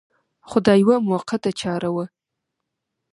خو دا یوه موقته چاره وه.